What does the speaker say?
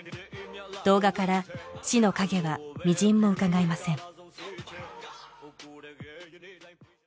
動画から死の影はみじんもうかがえません